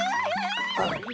あれ？